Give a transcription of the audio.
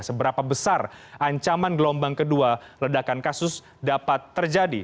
seberapa besar ancaman gelombang kedua ledakan kasus dapat terjadi